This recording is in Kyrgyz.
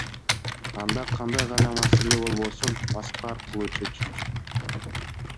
Анда кандай гана маселе болбосун Москва аркылуу чечилчү.